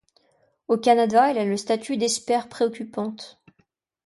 Au Canada, elle a le statut d’espère préoccupante.